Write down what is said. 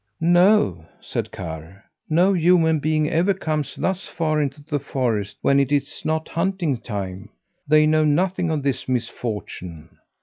"No," said Karr, "no human being ever comes thus far into the forest when it's not hunting time. They know nothing of this misfortune."